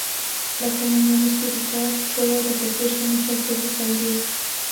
La Comunión Espiritual puede repetirse muchas veces al día.